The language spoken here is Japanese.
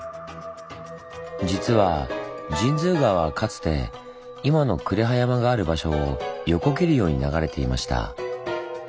実は神通川はかつて今の呉羽山がある場所を横切るように流れていました。